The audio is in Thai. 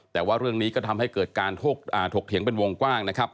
แต่ว่าเรื่องนี้ก็ทำให้เกิดการถกเถียงเป็นวงกว้างนะครับ